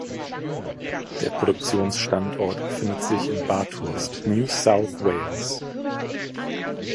Der Produktionsstandort befindet sich in Bathurst (New South Wales).